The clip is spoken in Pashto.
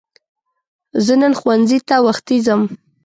زه نن ښوونځی ته وختی ځم